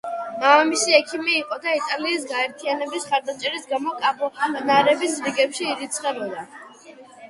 მამამისი ექიმი იყო და იტალიის გაერთიანების მხარდაჭერის გამო კარბონარების რიგებში ირიცხებოდა.